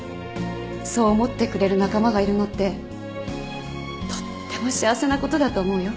そう思ってくれる仲間がいるのってとっても幸せなことだと思うよ。